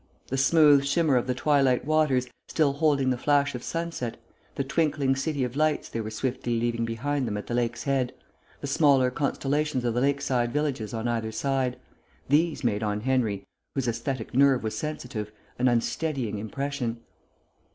The smooth shimmer of the twilight waters, still holding the flash of sunset, the twinkling city of lights they were swiftly leaving behind them at the lake's head, the smaller constellations of the lakeside villages on either hand these made on Henry, whose æsthetic nerve was sensitive, an unsteadying impression.